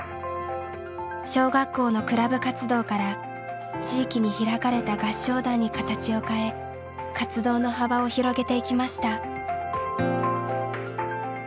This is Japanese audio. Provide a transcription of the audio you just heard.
小学校のクラブ活動から地域に開かれた合唱団に形を変え活動の幅を広げていきました。